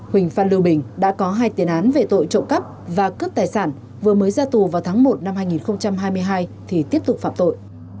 huỳnh phan lưu bình đã có hai tiền án về tội trộm cắp và cướp tài sản vừa mới ra tù vào tháng một năm hai nghìn hai mươi hai thì tiếp tục phạm tội